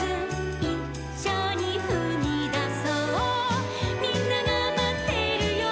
「『いっしょにふみだそうみんながまってるよ』」